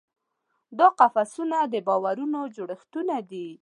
دا قفسونه د باورونو جوړښتونه دي.